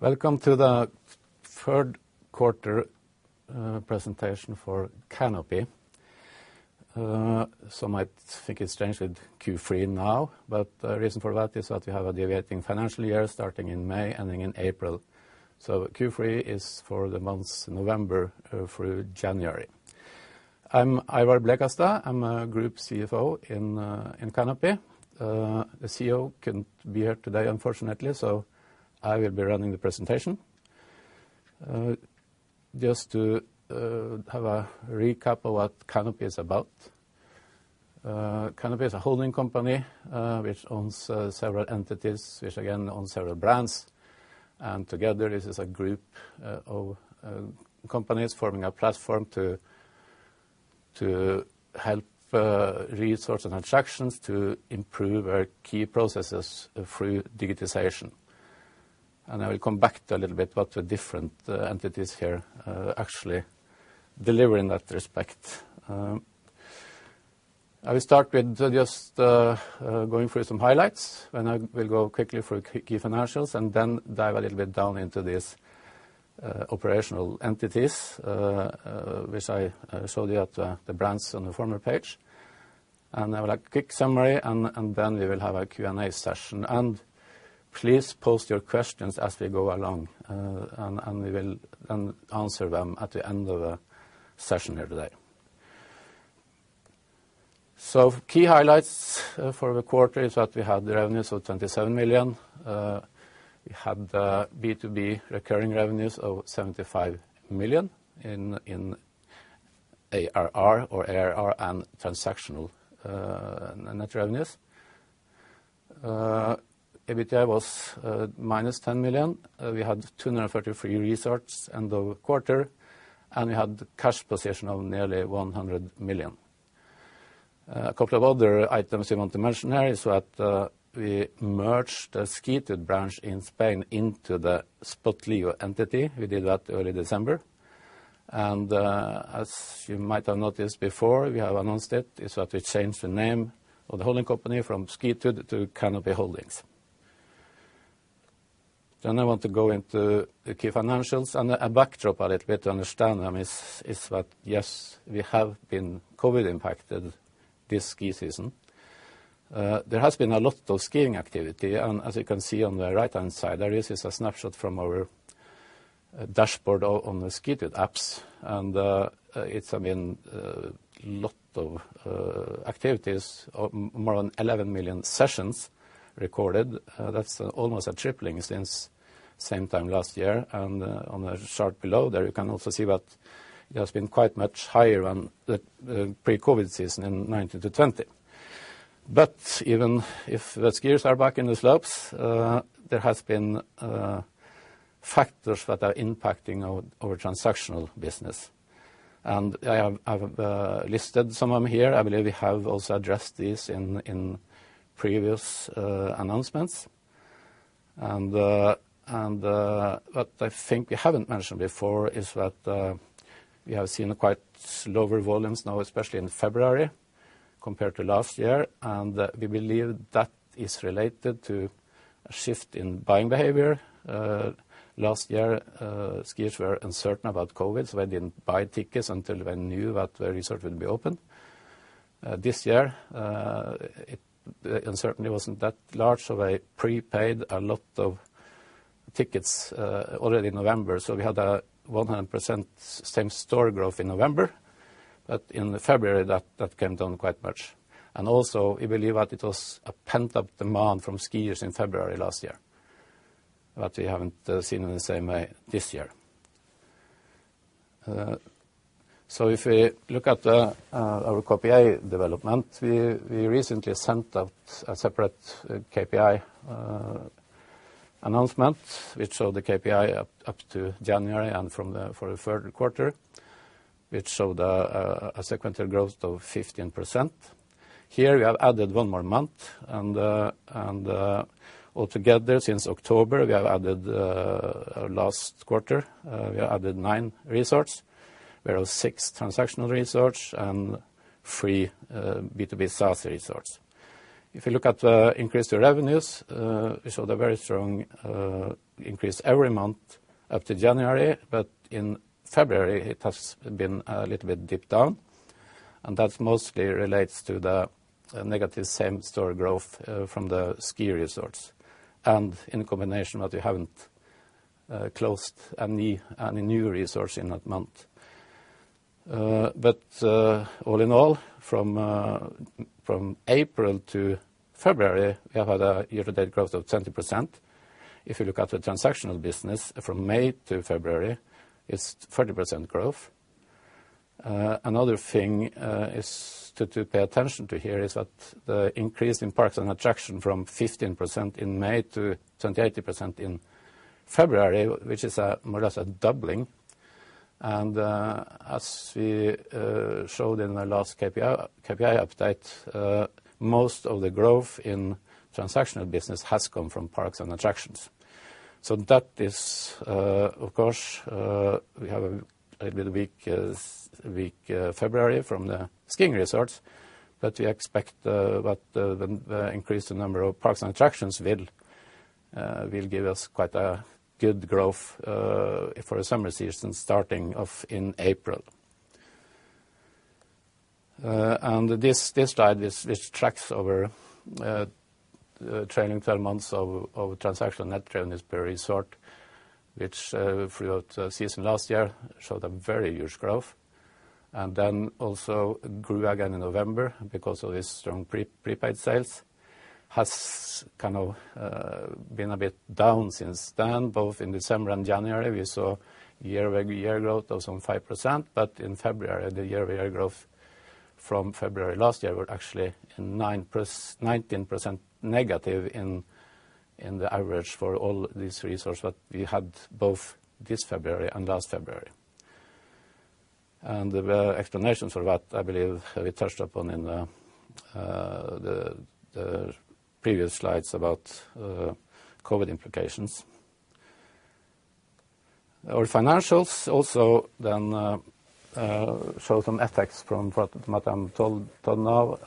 Welcome to the Third Quarter Presentation for Canopy. Some might think it's strange with Q3 now but the reason for that is that we have a deviating financial year starting in May, ending in April. Q3 is for the months November through January. I'm Ivar Blekastad. I'm a Group CFO in Canopy. The CEO couldn't be here today, unfortunately, so I will be running the presentation. Just to have a recap of what Canopy is about. Canopy is a holding company which owns several entities which again owns several brands. Together this is a group of companies forming a platform to help resorts and attractions to improve our key processes through digitization. I will come back to a little bit what the different entities here actually deliver in that respect. I will start with just going through some highlights and I will go quickly through key financials and then dive a little bit down into these operational entities, which I showed you at the brands on the former page. I will have a quick summary and then we will have a Q&A session. Please post your questions as we go along and we will then answer them at the end of the session here today. Key highlights for the quarter is that we had revenues of 27 million. We had B2B recurring revenues of 75 million in ARR and transactional net revenues. EBITDA was minus 10 million. We had 233 resorts in the quarter, and we had cash position of nearly 100 million. A couple of other items we want to mention here is that we merged the Skitude branch in Spain into the Spotlio entity. We did that early December. As you might have noticed before, we have announced it, is that we changed the name of the holding company from Skitude to Canopy Holdings. I want to go into the key financials and a backdrop a little bit to understand them is that, yes, we have been COVID impacted this ski season. There has been a lot of skiing activity and as you can see on the right-hand side, there is a snapshot from our dashboard on the Skitude apps. It's, I mean, lot of activities, more than 11 million sessions recorded. That's almost a tripling since same time last year. On the chart below there, you can also see that it has been quite much higher on the pre-COVID season in 2019-2020. Even if the skiers are back in the slopes, there has been factors that are impacting our transactional business. I've listed some of them here. I believe we have also addressed this in previous announcements. What I think we haven't mentioned before is that we have seen quite slower volumes now, especially in February, compared to last year, and we believe that is related to a shift in buying behavior. Last year, skiers were uncertain about COVID so they didn't buy tickets until they knew that the resort would be open. This year, the uncertainty wasn't that large so they prepaid a lot of tickets already in November. We had 100% same store growth in November. In February, that came down quite much. We believe that it was a pent-up demand from skiers in February last year, that we haven't seen in the same way this year. If we look at our KPI development, we recently sent out a separate KPI announcement which showed the KPI up to January and for the third quarter which showed a sequential growth of 15%. Here we have added one more month and altogether since October, last quarter we have added nine resorts. There are six transactional resorts and three B2B SaaS resorts. If you look at the increase in revenues, we saw the very strong increase every month up to January. In February it has been a little bit dipped down and that mostly relates to the negative same store growth from the ski resorts and in combination that we haven't closed any new resorts in that month. All in all, from April to February, we have had a year-to-date growth of 20%. If you look at the transactional business from May to February, it's 30% growth. Another thing is to pay attention to here is that the increase in parks and attractions from 15% in May to 28% in February which is more or less a doubling. As we showed in the last KPI update, most of the growth in transactional business has come from parks and attractions. That is, of course, we have a little bit weak February from the skiing resorts but we expect that the increase in the number of parks and attractions will give us quite a good growth for the summer season starting off in April. This slide, which tracks over trailing 12 months of transaction net revenue in the various resorts which throughout the season last year showed a very huge growth and then also grew again in November because of its strong prepaid sales has kind of been a bit down since then. Both in December and January, we saw year-over-year growth of some 5% but in February, the year-over-year growth from February last year were actually nineteen percent negative in the average for all these resorts that we had both this February and last February. The explanations for that, I believe, we touched upon in the previous slides about COVID implications. Our financials also then show some effects from what I'm told now.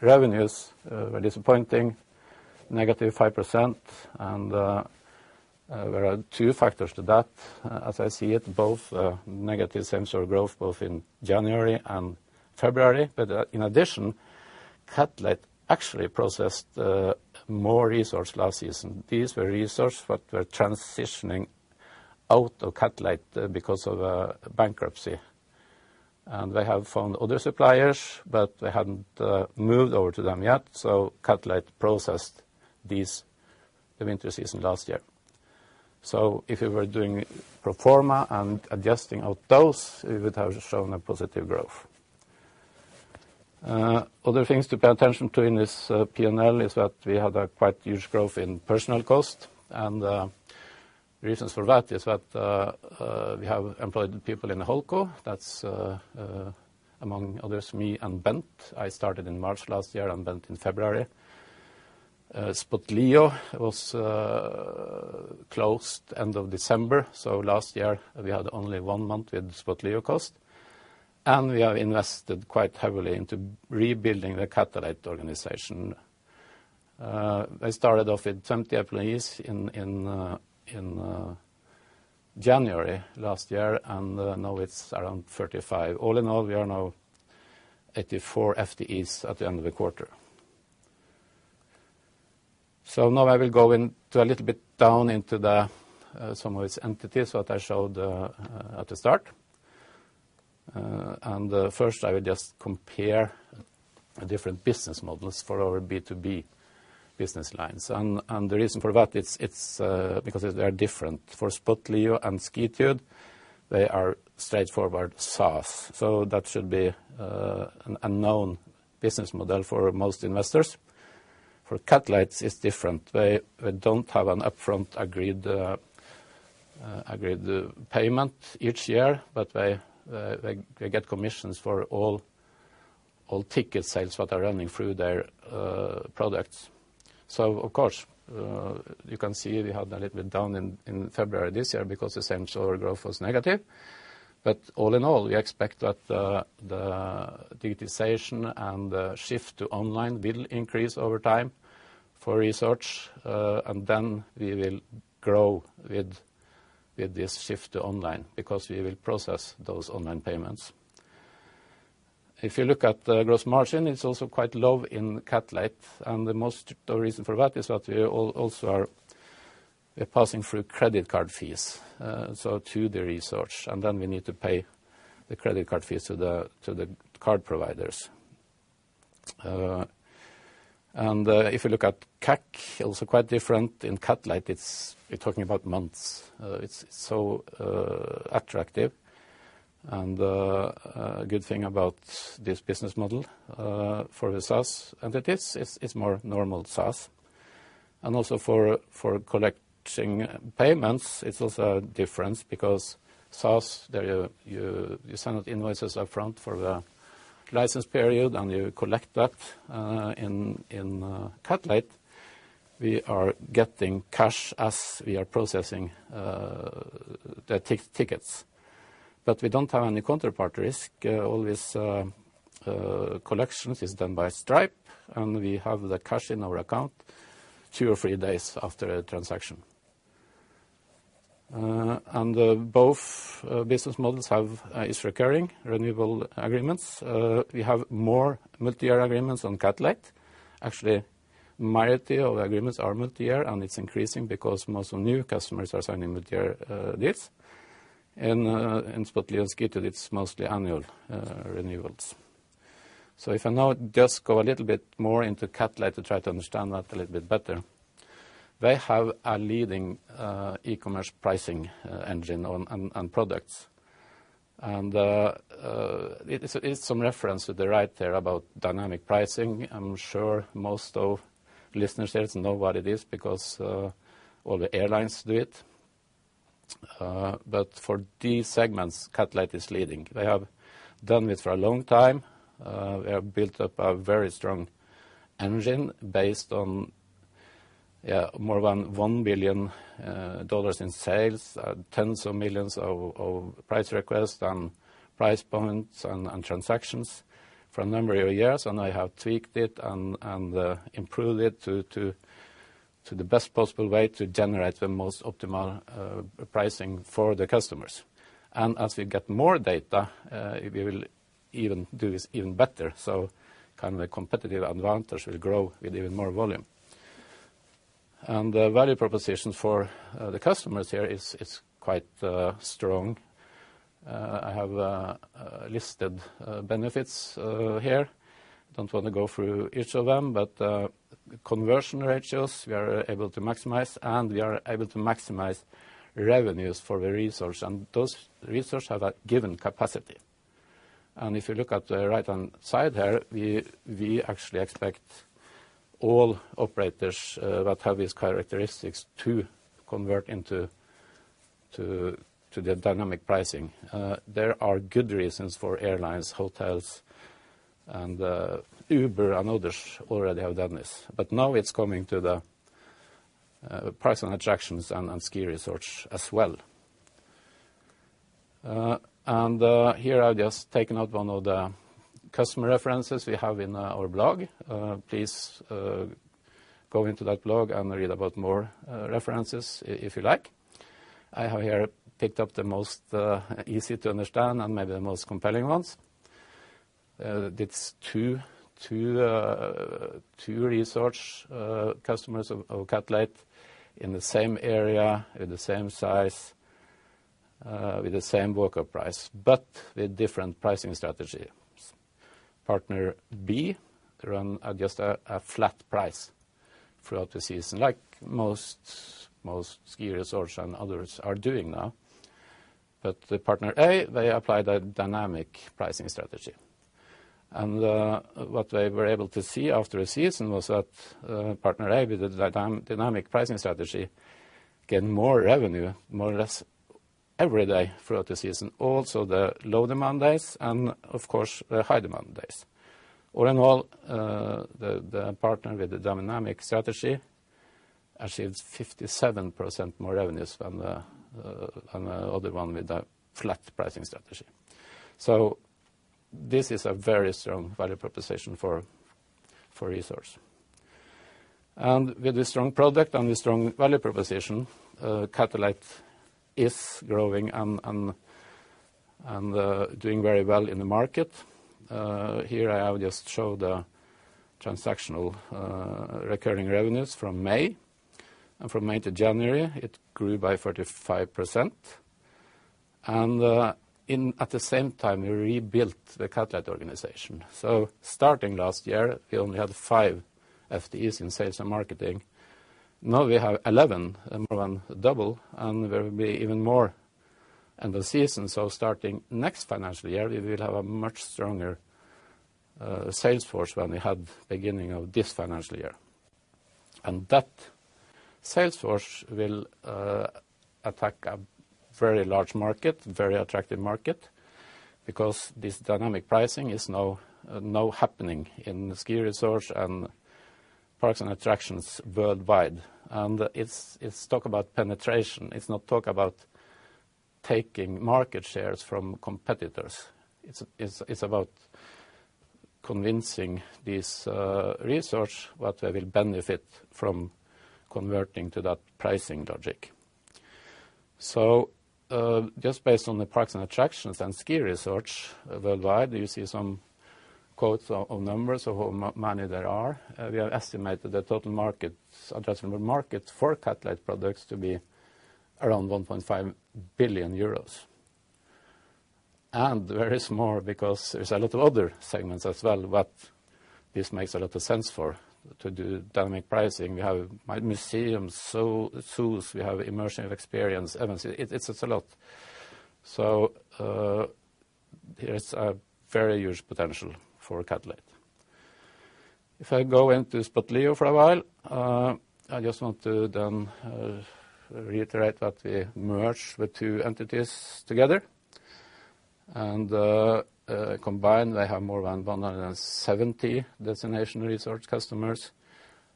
Revenues were disappointing, negative 5% and there are two factors to that. As I see it, both negative same store growth, both in January and February. In addition, Catalate actually processed more resources last season. These were resources that were transitioning out of Catalate because of a bankruptcy. They have found other suppliers but they hadn't moved over to them yet. Catalate processed these for the winter season last year. If you were doing pro forma and adjusting out those, it would have shown a positive growth. Other things to pay attention to in this P&L is that we had a quite huge growth in personnel cost. The reasons for that is that we have employed people in HoldCo. That's among others, me and Bent. I started in March last year and Bent in February. Spotlio was closed end of December. Last year, we had only one month with Spotlio cost. We have invested quite heavily into rebuilding the Catalate organization. They started off with 70 employees in January last year and now it's around 35. All in all, we are now 84 FTEs at the end of the quarter. Now I will go a little bit deeper into some of these entities that I showed at the start. First, I will just compare the different business models for our B2B business lines. The reason for that is because they're different. For Spotlio and Skitude, they are straightforward SaaS. That should be an unknown business model for most investors. For Catalate, it is different. They don't have an upfront agreed payment each year but they get commissions for all ticket sales that are running through their products. Of course, you can see we had a little bit down in February this year because the same store growth was negative. All in all, we expect that the digitization and the shift to online will increase over time for resorts. We will grow with this shift to online because we will process those online payments. If you look at the gross margin, it's also quite low in Catalate. The main reason for that is that we also are passing through credit card fees, so to the resorts, and then we need to pay the credit card fees to the card providers. If you look at CAC, also quite different. In Catalate, it's we're talking about months. It's so attractive. A good thing about this business model for the SaaS and it is, it's more normal SaaS. Also for collecting payments, it's also a difference because SaaS, there you send out invoices upfront for the license period and you collect that. In Catalate, we are getting cash as we are processing the tickets but we don't have any counterparty risk. All these collections is done by Stripe and we have the cash in our account two or three days after a transaction. Both business models have recurring renewable agreements. We have more multi-year agreements on Catalate. Actually, majority of agreements are multi-year, and it's increasing because most of new customers are signing multi-year deals. In Spotlio and Skitude, it's mostly annual renewals. If I now just go a little bit more into Catalate to try to understand that a little bit better, they have a leading e-commerce pricing engine and products. It's some reference right there about dynamic pricing. I'm sure most of listeners there know what it is because all the airlines do it. For these segments, Catalate is leading. They have done this for a long time. They have built up a very strong engine based on more than $1 billion in sales, tens of millions of price requests and price points and transactions for a number of years. They have tweaked it and improved it to the best possible way to generate the most optimal pricing for the customers. As we get more data, we will even do this even better. Kind of a competitive advantage will grow with even more volume. The value proposition for the customers here is quite strong. I have listed benefits here. Don't wanna go through each of them but conversion ratios, we are able to maximize and we are able to maximize revenues for the resort. Those resources have a given capacity. If you look at the right-hand side here, we actually expect all operators that have these characteristics to convert into the dynamic pricing. There are good reasons for airlines, hotels and Uber and others already have done this. Now it's coming to the parks and attractions and ski resorts as well. Here, I've just taken out one of the customer references we have in our blog. Please go into that blog and read about more references if you like. I have here picked up the most easy to understand and maybe the most compelling ones. It's two resort customers of Catalate in the same area, with the same size, with the same walk-up price but with different pricing strategies. Partner B run just a flat price throughout the season like most ski resorts and others are doing now. The partner A, they applied a dynamic pricing strategy. What they were able to see after a season was that, partner A, with the dynamic pricing strategy, get more revenue, more or less every day throughout the season, also the low-demand days and of course, the high-demand days. All in all, the partner with the dynamic strategy achieves 57% more revenues than the other one with the flat pricing strategy. This is a very strong value proposition for resorts. With a strong product and a strong value proposition, Catalate is growing and doing very well in the market. Here, I will just show the transactional recurring revenues from May. From May to January, it grew by 35%. At the same time, we rebuilt the Catalate organization. Starting last year, we only had five FTEs in sales and marketing. Now we have 11, more than double, and there will be even more in the season. Starting next financial year, we will have a much stronger sales force than we had beginning of this financial year. That sales force will attack a very large market, very attractive market because this dynamic pricing is now happening in the ski resorts and parks and attractions worldwide. It's all about penetration. It's not to talk about taking market shares from competitors. It's about convincing these resorts that they will benefit from converting to that pricing logic. Just based on the parks and attractions and ski resorts worldwide, you see some quotes or numbers of how many there are. We have estimated the total addressable markets for Catalate products to be around 1.5 billion euros. There is more because there's a lot of other segments as well, but this makes a lot of sense to do dynamic pricing. We have museums, zoos. We have immersive experience. I mean, it's a lot. There's a very huge potential for Catalate. If I go into Spotlio for a while, I just want to reiterate that we merged the two entities together. Combined, they have more than 170 destination resort customers.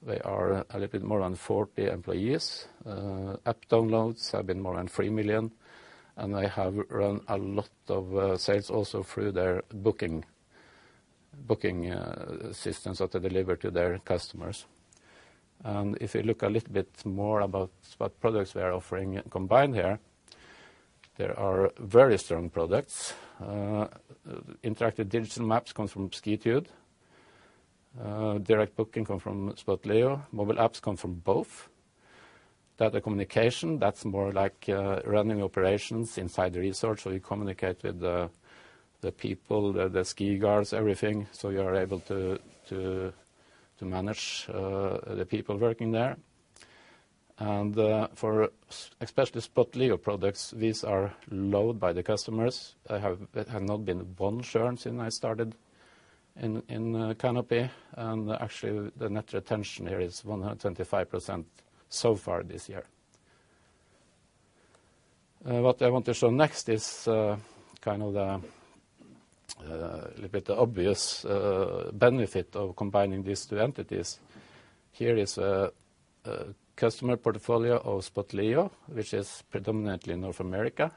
They have a little bit more than 40 employees. App downloads have been more than three million and they have run a lot of sales also through their booking systems that they deliver to their customers. If you look a little bit more about what products we are offering combined here, there are very strong products. Interactive digital maps come from Skitude. Direct booking come from Spotlio. Mobile apps come from both. Data communication, that's more like running operations inside the resort. You communicate with the people, the ski guards, everything so you're able to manage the people working there. For especially Spotlio products, these are loved by the customers. There have not been one churn since I started in Canopy. Actually, the net retention here is 125% so far this year. What I want to show next is kind of the little bit obvious benefit of combining these two entities. Here is a customer portfolio of Spotlio, which is predominantly North America.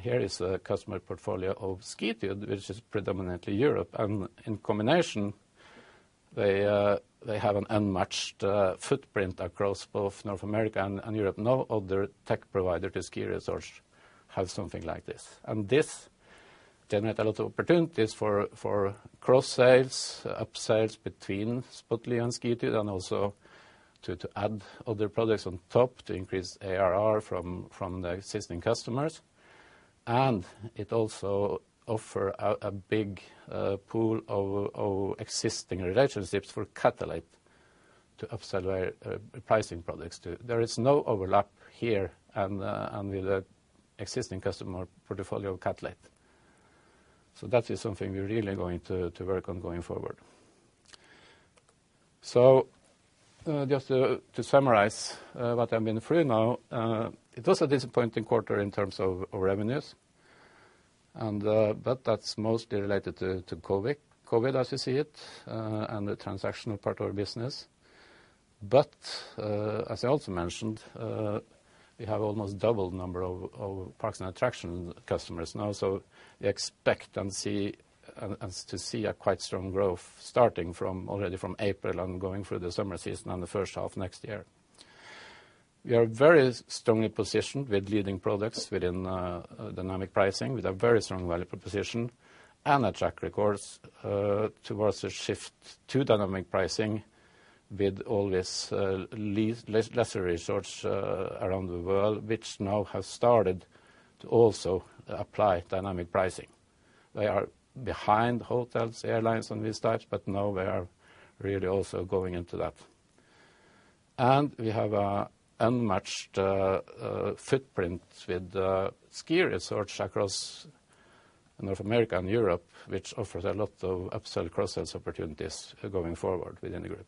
Here is a customer portfolio of Skitude which is predominantly Europe. In combination, they have an unmatched footprint across both North America and Europe. No other tech provider to ski resorts have something like this. This generate a lot of opportunities for cross sales, up sales between Spotlio and Skitude, and also to add other products on top to increase ARR from the existing customers. It also offers a big pool of existing relationships for Catalate to upsell our pricing products to. There is no overlap here with the existing customer portfolio of Catalate. Just to summarize what I've been through now. It was a disappointing quarter in terms of revenues but that's mostly related to COVID. COVID, as you see it and the transactional part of our business. As I also mentioned, we have almost double the number of parks and attraction customers now. We expect to see a quite strong growth starting from April and going through the summer season and the first half next year. We are very strongly positioned with leading products within dynamic pricing with a very strong value proposition and a track record towards a shift to dynamic pricing with all these lesser resorts around the world which now have started to also apply dynamic pricing. They are behind hotels, airlines and these types but now they are really also going into that. We have an unmatched footprint with the ski resorts across North America and Europe which offers a lot of upsell cross-sales opportunities going forward within the group.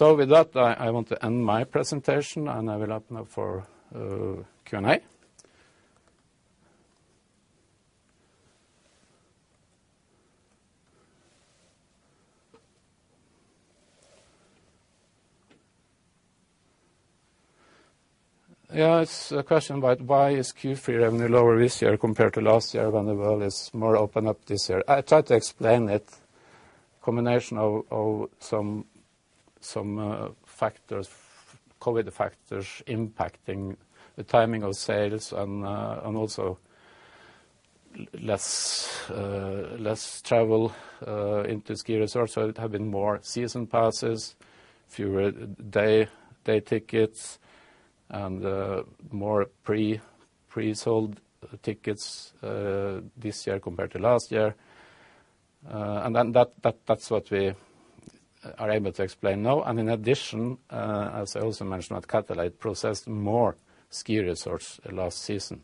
With that, I want to end my presentation and I will open up for Q&A. Yeah. It's a question about why is Q3 revenue lower this year compared to last year when the world is more opened up this year? I tried to explain it. Combination of some factors, COVID factors impacting the timing of sales and also less travel into ski resorts. There have been more season passes, fewer day tickets, and more pre-sold tickets this year compared to last year. That's what we are able to explain now. In addition, as I also mentioned, that Catalate processed more ski resorts last season.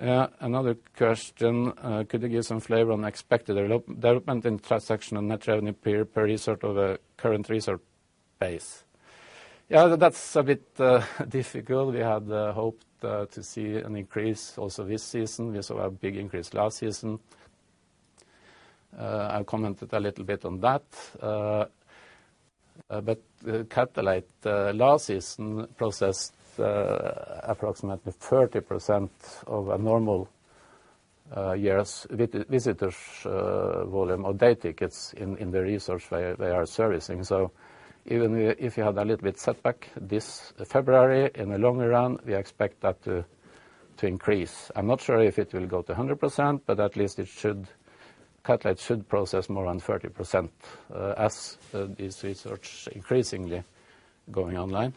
Yeah. Another question. Could you give some flavor on expected development in transaction and net revenue per resort of the current resort base? Yeah. That's a bit difficult. We had hoped to see an increase also this season. We saw a big increase last season. I commented a little bit on that. Catalate last season processed approximately 30% of a normal year's visitors volume or day tickets in the resorts they are servicing. Even if we had a little bit setback this February, in the longer run, we expect that to increase. I'm not sure if it will go to 100%, but at least it should. Catalate should process more than 30%, as these resorts increasingly going online.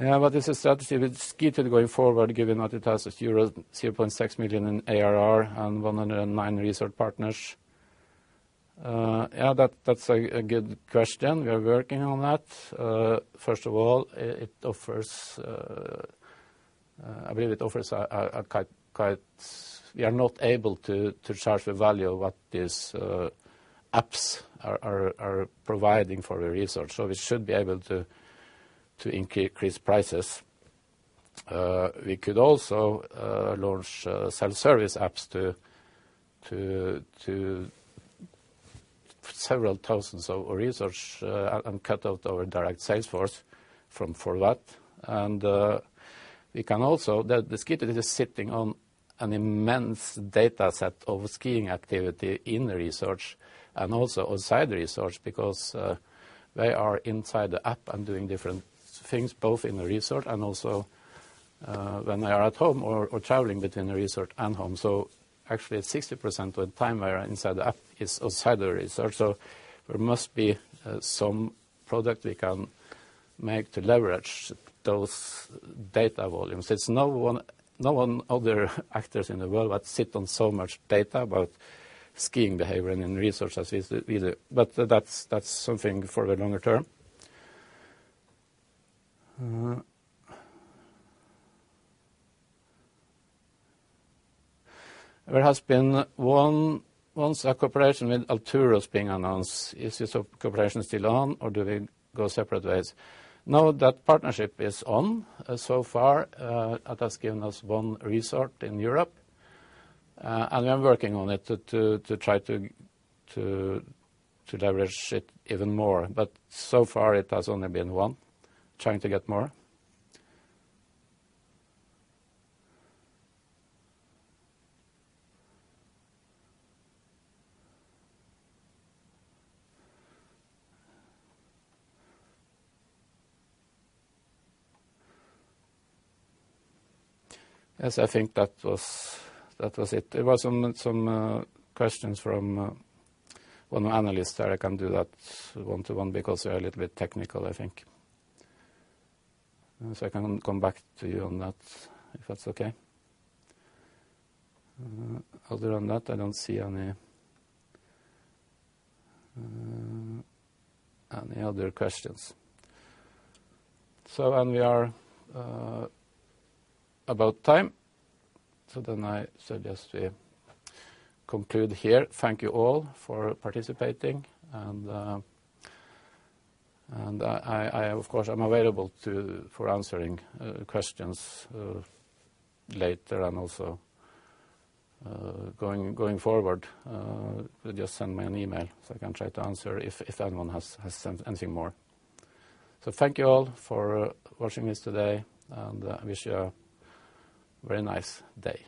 Yeah. What is the strategy with Skitude going forward, given that it has euro 0.6 million in ARR and 109 resort partners? Yeah, that's a good question. We are working on that. First of all, it offers. I believe it offers a quite... We are not able to charge the value of what these apps are providing for the resort. We should be able to increase prices. We could also launch self-service apps to several thousands of resorts and cut out our direct sales force for that. We can also. The Skitude is sitting on an immense data set of skiing activity in the resorts and also outside the resorts because they are inside the app and doing different things both in the resort and also when they are at home or traveling between the resort and home. Actually 60% of the time they are inside the app is outside the resort. There must be some product we can make to leverage those data volumes. There's no one other actors in the world that sit on so much data about skiing behavior and in resorts as we do. That's something for the longer term. Once a cooperation with Alturos being announced, is this cooperation still on or do they go separate ways? No, that partnership is on. So far, it has given us one resort in Europe and we are working on it to try to leverage it even more. So far it has only been one, trying to get more. Yes, I think that was it. There was some questions from one analyst there. I can do that one-to-one because they are a little bit technical, I think. I can come back to you on that, if that's okay. Other than that, I don't see any other questions. We are about time so I suggest we conclude here. Thank you all for participating and I of course I'm available for answering questions later and also going forward. Just send me an email so I can try to answer if anyone has sent anything more. Thank you all for watching this today and I wish you a very nice day.